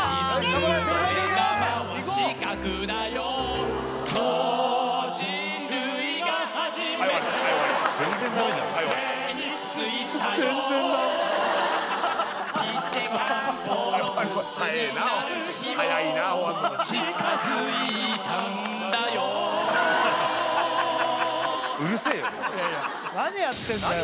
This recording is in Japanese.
もういやいや何やってんだよ